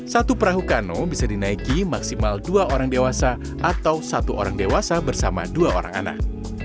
satu perahu kano bisa dinaiki maksimal dua orang dewasa atau satu orang dewasa bersama dua orang anak